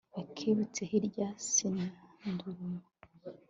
akebutse hirya y'isanduruma